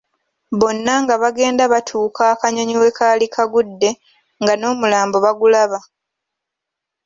Bonna nga bagenda batuuka akanyonyi wekaali kagudde nga n’omulambo bagulaba.